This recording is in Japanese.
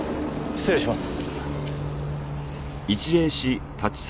失礼します。